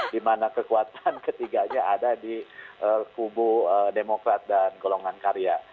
di mana kekuatan ketiganya ada di kubu demokrat dan golongan karya